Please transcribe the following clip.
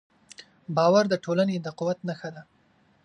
باور د ټولنې د قوت نښه ده.